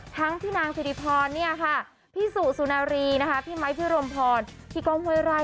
ทั้งพี่นางธิริพรพี่สุสุนารีพี่ไม้พี่รมพรพี่ก้อมเฮ้ยไร